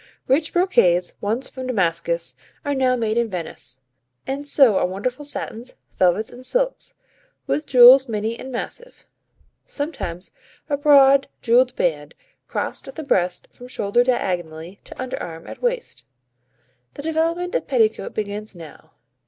Rich brocades, once from Damascus, are now made in Venice; and so are wonderful satins, velvets and silks, with jewels many and massive. Sometimes a broad jewelled band crossed the breast from shoulder diagonally to under arm, at waist. The development of the petticoat begins now.